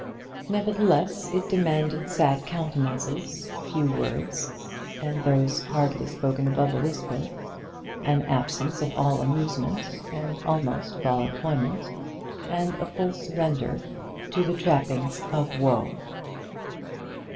Nevertheless, it demanded sad countenances, few words, and those spoken hardly above a whisper; an absence of all amusement and almost of all employment, and a full surrender to the trappings of woe.